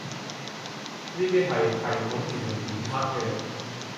呢啲係系統自動檢測嘅